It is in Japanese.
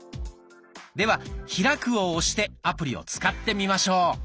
では「開く」を押してアプリを使ってみましょう。